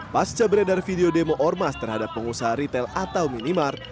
pasca beredar video demo ormas terhadap pengusaha ritel atau minimark